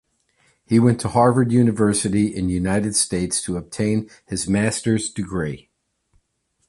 He went to Harvard University in United States to obtain his master's degree.